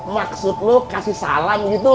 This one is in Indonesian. maksud lo kasih salam gitu